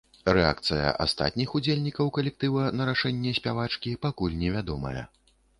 Рэакцыя астатніх удзельнікаў калектыва на рашэнне спявачкі пакуль невядомая.